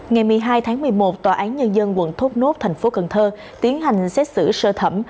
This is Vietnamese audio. ngày một mươi hai tháng một mươi một tòa án nhân dân quận thốt nốt thành phố cần thơ tiến hành xét xử sơ thẩm